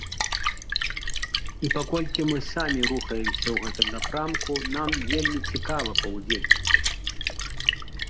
І паколькі мы самі рухаемся ў гэтым напрамку, нам вельмі цікава паўдзельнічаць.